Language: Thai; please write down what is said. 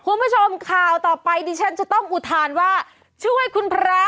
คุณผู้ชมข่าวต่อไปดิฉันจะต้องอุทานว่าช่วยคุณพระ